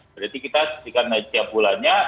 berarti kita sisihkan aja tiap bulan nya